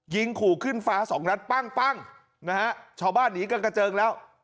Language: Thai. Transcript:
ยิงขู่ขึ้นฟ้า๒นัดปั้งชาวบ้านหนีกันกระเจิงแล้ว